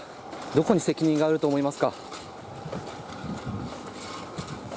どこに責任があると思いますか？